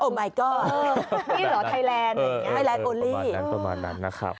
โอ้มายก็อดนี่เหรอไทยแลนด์ไทยแลนด์โอลี่ประมาณนั้นนะครับ